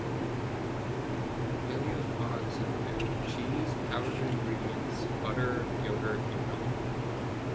Valio's products include cheese, powdered ingredients, butter, yogurt and milk.